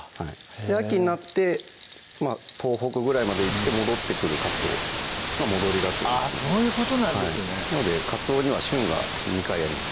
秋になって東北ぐらいまで行って戻ってくるかつおが戻りがつおあぁそういうことなんですねなのでかつおには旬が２回あります